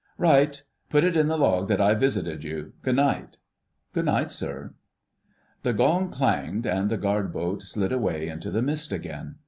"Right. Put it in the log that I've visited you. Good night." "Good night, sir." The gong clanged, and the Guard Boat slid away into the mist again.